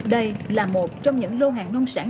đây là một trong những lô hàng nông sản